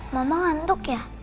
mama ngantuk ya